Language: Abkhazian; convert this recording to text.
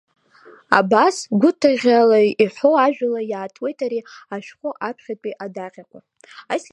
Абас, гәыҭыӷьӷьала иҳәоу ажәала иаатуеит ари ашәҟәы аԥхьатәи адаҟьақәа.